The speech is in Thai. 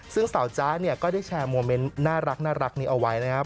ซึ่งสาวจ๊ะเนี่ยก็ได้แชร์โมเมนต์น่ารักนี้เอาไว้นะครับ